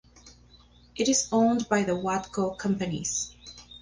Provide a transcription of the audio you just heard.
It is owned by the Watco companies.